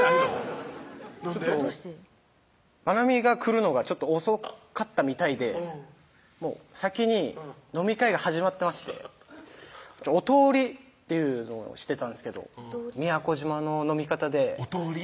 愛海が来るのがちょっと遅かったみたいで先に飲み会が始まってましておとーりっていうのをしてたんですけど宮古島の飲み方でおとーり？